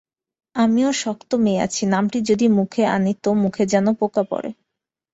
আমিও শক্ত মেয়ে আছি, নামটি যদি মুখে আনি তো মুখে যেন পোকা পড়ে।